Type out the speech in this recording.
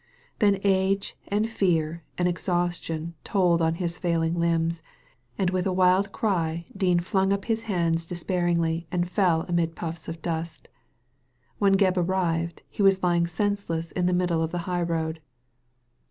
Then age and fear and exhaustion told on his failing limbs, and with a wild cry Dean flung up his hands despairingly and fell amid puffs of dust. When Gebb arrived he was lying senseless in the middle of the high road.